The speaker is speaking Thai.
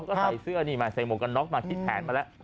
เขาใส่เสื้อสเปงโหมกกันมาคิดแผนมาแล้ว